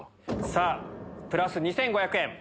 さぁプラス２５００円。